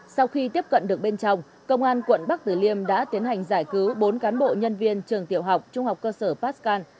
sau khi tiếp cận được bên trong công an quận bắc tử liêm đã tiến hành giải cứu bốn cán bộ nhân viên trường tiểu học trung học cơ sở pastan